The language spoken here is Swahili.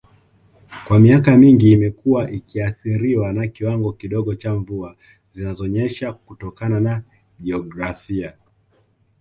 Kwa miaka mingi imekuwa ikiathiriwa na kiwango kidogo cha mvua zinazonyesha kutokana na jiografia